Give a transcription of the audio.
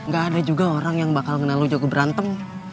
gak ada juga orang yang bakal kenal lu jago berantem